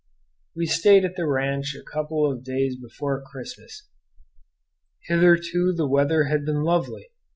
We stayed at the ranch until a couple of days before Christmas. Hitherto the weather had been lovely.